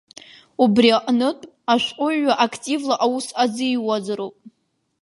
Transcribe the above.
Убри аҟнытә ашәҟәыҩҩы активла аус азиуазароуп.